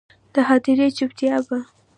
د هدیرې چوپتیا به،